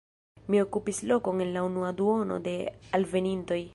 Mi okupis lokon en la unua duono de alvenintoj.